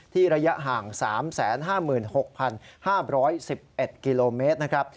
ระยะห่าง๓๕๖๕๑๑กิโลเมตรนะครับ